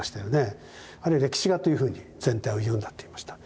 あるいは歴史画というふうに全体を言うんだと言いました。